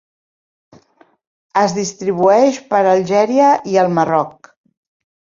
Es distribueix per Algèria i el Marroc.